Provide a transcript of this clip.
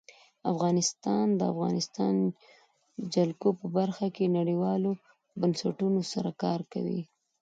افغانستان د د افغانستان جلکو په برخه کې نړیوالو بنسټونو سره کار کوي.